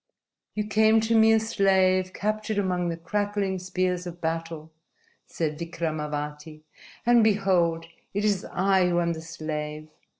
"You came to me a slave captured among the crackling spears of battle," said Vikramavati, "and behold, it is I who am the slave.